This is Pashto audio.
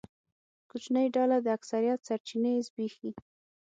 کوچنۍ ډله د اکثریت سرچینې زبېښي.